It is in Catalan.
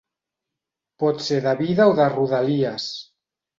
Pot ser de vida o de rodalies.